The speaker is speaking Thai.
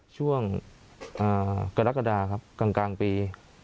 ช่วงกรกฎาครับกลางปี